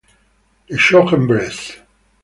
La Chaux-en-Bresse